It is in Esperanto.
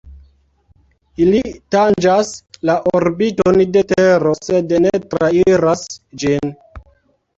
Ili tanĝas la orbiton de Tero sed ne trairas ĝin.